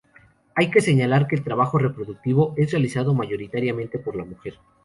Hay que señalar que el trabajo reproductivo es realizado mayoritariamente por la mujer.